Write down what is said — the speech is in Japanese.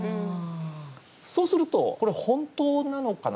そうすると、これ本当なのかな